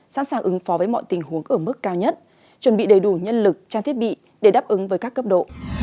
sẵn sàng ứng phó với mọi tình huống ở mức cao nhất chuẩn bị đầy đủ nhân lực trang thiết bị để đáp ứng với các cấp độ